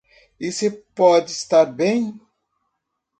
Isso pode estar bem.